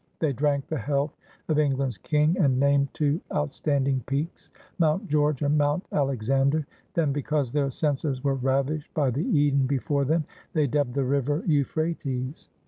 They drank the health of England's King, and named two outstanding peaks Mount George md Mount Alexander; then, because their senses were ravished by the Eden before thein, they dubbed the river Euphrates.